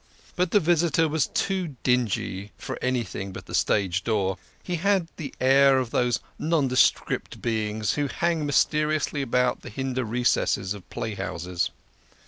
But the visitor was too dingy for any thing but the stage door he had the air of those non descript beings who hang mysteriously about the hinder recesses of playhouses.